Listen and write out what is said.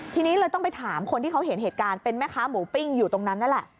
ทีนี้เลยต้องไปถามคนที่เขาเห็นเหตุการณ์เป็นแม่ค้าหมูปิ้งอยู่ตรงนั้นนั่นแหละ